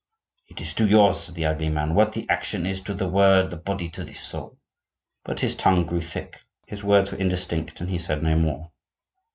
"It is to yours," said the ugly man, "what the action is to the word, the body to the soul." But his tongue grew thick, his words were indistinct, and he said no more.